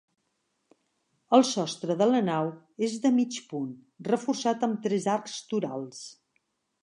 El sostre de la nau és de mig punt, reforçat amb tres arcs torals.